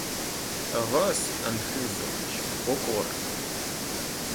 А вас, Анхизович, покорно